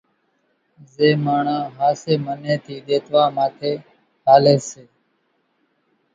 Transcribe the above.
زين ماڻۿان ۿاسي من ٿي ۮيتوا ماٿي ھالي سي